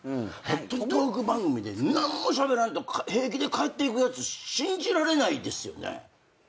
トーク番組で何もしゃべらんと平気で帰っていくやつ信じられないですよね。